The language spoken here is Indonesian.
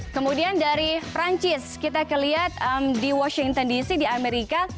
kemudian dari perancis kita kelihat di washington dc di amerika